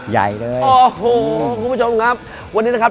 ใหญ่เลยโอ้โหคุณผู้ชมครับวันนี้นะครับ